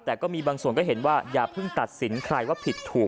แต่ก็มีบางส่วนก็เห็นว่าอย่าเพิ่งตัดสินใครว่าผิดถูก